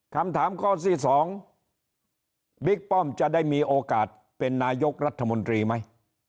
คำถามข้อที่๒บิ๊กป้อมจะได้มีโอกาสเป็นนายกรัฐมนตรีไหม